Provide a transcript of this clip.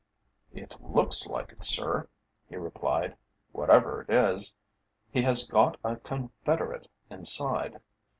"It looks like it, sir," he replied. "Whatever it is, he has got a confederate inside."